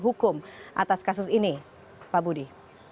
hukum atas kasus ini pak budi